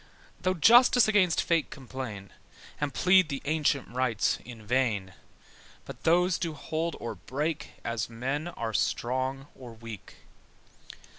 Though justice against fate complain, And plead the ancient rights in vain: But those do hold or break As men are strong or weak.